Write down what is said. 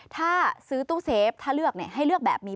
ใช่เขาบอกว่าแบบนี้